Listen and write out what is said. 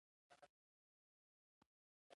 هغه پنځه سوه زره افغانۍ پانګه اچوي